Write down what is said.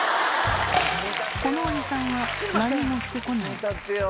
このおじさんは何もしてこない。